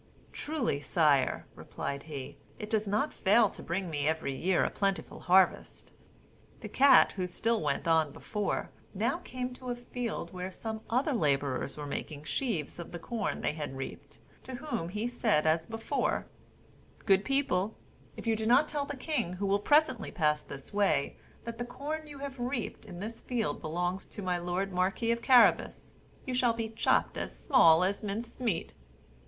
"Truly, sire," replied he, "it does not fail to bring me every year a plentiful harvest." The cat who still went on before, now came to a field where some other labourers were making sheaves of the corn they had reaped, to whom he said as before: "Good people, if you do not tell the king who will presently pass this way, that the corn you have reaped in this field belongs to my lord marquis of Carabas, you shall be chopped as small as mince meat."